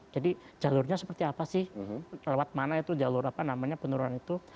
jadi jalurnya seperti apa sih lewat mana itu jalur apa namanya penurunan itu